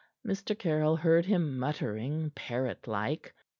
Mr. Caryll heard him muttering, parrot like.